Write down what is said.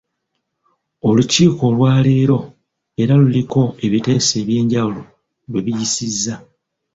Olukiiko olwaleero era luliko ebiteeso ebyenjawulo lwe biyisiza.